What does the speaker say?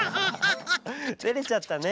てれちゃったね！